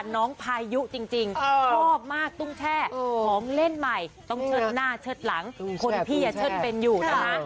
ิงโตบอกเลยอะตุ้งแข่ตุ้นแอ